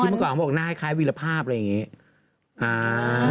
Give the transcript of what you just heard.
ทีมาก่อนเขาบอกหน้าคล้ายวีรภาพอะไรแบบนี้